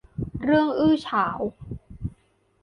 เรื่องอื้อฉาว